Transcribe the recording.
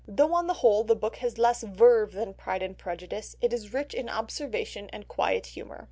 Though on the whole the book has less verve than Pride and Prejudice, it is rich in observation and quiet humour.